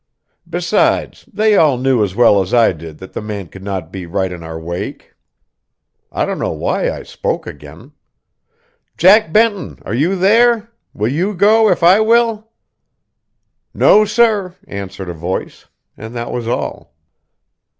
Besides, they all knew as well as I did that the man could not be right in our wake. I don't know why I spoke again. "Jack Benton, are you there? Will you go if I will?" "No, sir," answered a voice; and that was all.